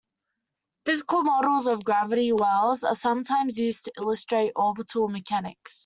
Physical models of gravity wells are sometimes used to illustrate orbital mechanics.